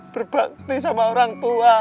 berbakti sama orang tua